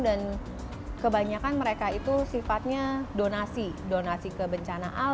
dan kebanyakan mereka itu sifatnya donasi donasi kebencanaan